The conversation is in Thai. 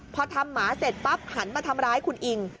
พอทำหมาเสร็จปั๊บหันมาทำร้ายคุณอิง